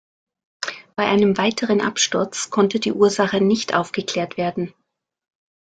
Bei einem weiteren Absturz konnte die Ursache nicht aufgeklärt werden.